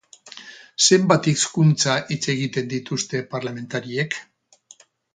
Zenbat hizkuntza hitz egiten dituzte parlamentariek?